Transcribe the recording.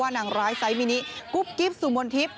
ว่านางร้ายไซด์มินิกุ๊บกิฟต์สุมนทิศ